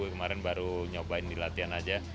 kemarin baru nyobain di latihan aja